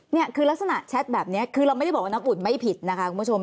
นี่คือลักษณะแชทแบบนี้คือเราไม่ได้บอกว่าน้ำอุ่นไม่ผิดนะคะคุณผู้ชม